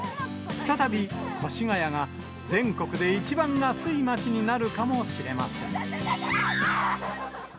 再び、越谷が全国で一番暑い街になるかもしれません。